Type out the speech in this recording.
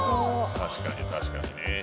確かに確かにね